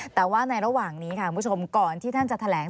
แต่ว่าในระหว่างนี้ค่ะคุณผู้ชมก่อนที่ท่านจะแถลง